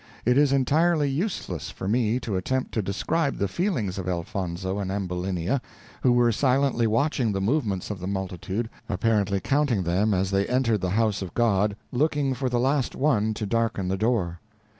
It is entirely useless for me to attempt to describe the feelings of Elfonzo and Ambulinia, who were silently watching the movements of the multitude, apparently counting them as then entered the house of God, looking for the last one to darken the door.